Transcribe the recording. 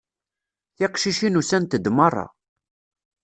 Tiqcicin usant-d merra.